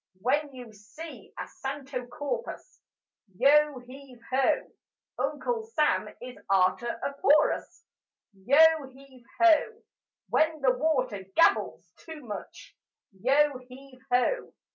When you see a santo corpus, Yo heave ho! Uncle Sam is arter a porpus: Yo heave ho! When the water gabbles too much, Yo heave ho!